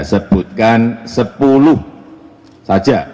sebutkan sepuluh saja